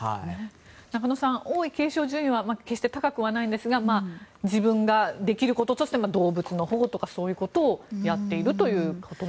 中野さん、王位継承順位は決して高くないんですが自分ができることとして動物の保護とかをやっているという。